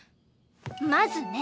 まずね！